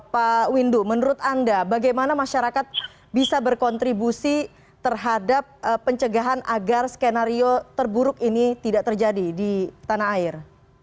pak windu menurut anda bagaimana masyarakat bisa berkontribusi terhadap pencegahan agar skenario terburuk ini tidak terjadi di tanah air